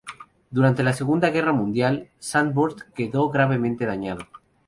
Durante la Segunda Guerra Mundial, Zandvoort quedó gravemente dañado.